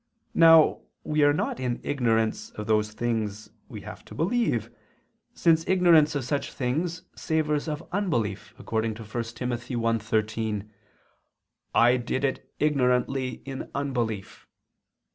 Now we are not in ignorance of those things we have to believe, since ignorance of such things savors of unbelief, according to 1 Tim. 1:13: "I did it ignorantly in unbelief."